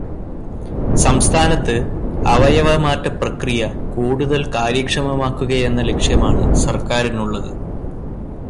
സംസ്ഥാനത്ത് അവയവമാറ്റ പ്രക്രിയ കൂടുതല് കാര്യക്ഷമമാക്കുകയെന്ന ലക്ഷ്യമാണ് സർക്കാരിനുള്ളത്.